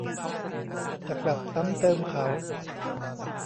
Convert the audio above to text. จะกลับซ้ำเติมเขา